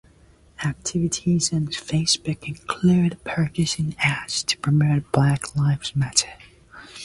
Activities on Facebook include purchasing ads to promote Black Lives Matter.